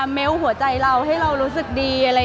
เมล์หัวใจเราให้เรารู้สึกดี